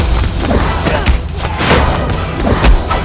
ini ada kaitan dengan balas dendam